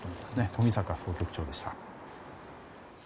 冨坂総局長でした。